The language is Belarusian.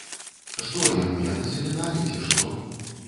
Што яму яны заміналі, ці што?